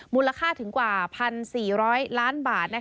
มูลค่าถึงกว่า๑๔๐๐ล้านบาท